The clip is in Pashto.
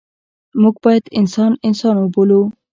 موږ باید انسان انسان وبولو.